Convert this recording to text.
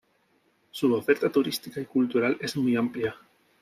Su oferta turística y cultural es muy amplia.